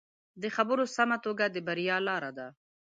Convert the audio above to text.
د خبرو سمه توګه د بریا لاره ده